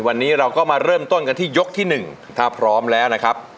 วันนี้เราก็มาเริ่มต้นกันที่ยกที่๑ถ้าพร้อมแล้วนะครับ